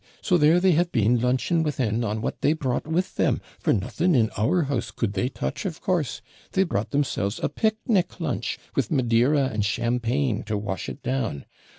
So there they have been lunching within on what they brought with them; for nothing in our house could they touch, of course! They brought themselves a PICKNICK lunch, with Madeira and Champagne to wash it down.